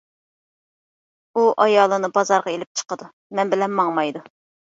ئۇ ئايالىنى بازارلارغا ئېلىپ چىقىدۇ، مەن بىلەن ماڭمايدۇ.